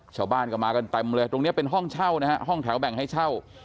ชาวบ้านก็มากันเต็มเลยตรงเนี้ยเป็นห้องเช่า